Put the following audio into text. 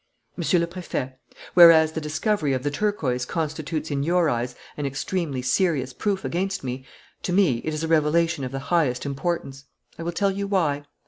"Monsieur le Préfet, whereas the discovery of the turquoise constitutes in your eyes an extremely serious proof against me, to me it is a revelation of the highest importance. I will tell you why.